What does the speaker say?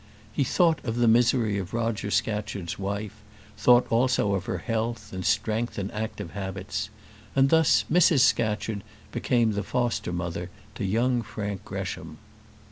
He thought of the misery of Roger Scatcherd's wife, thought also of her health, and strength, and active habits; and thus Mrs Scatcherd became the foster mother to young Frank Gresham.